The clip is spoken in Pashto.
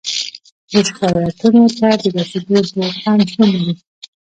د شکایاتو ته د رسیدو بورد هم شتون لري.